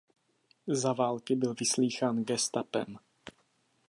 Za války byl vyslýchán gestapem.